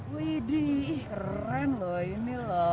widih keren loh ini loh